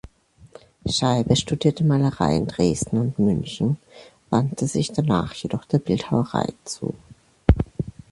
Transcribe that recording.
Scheibe studierte Malerei in Dresden und München, wandte sich danach jedoch der Bildhauerei zu.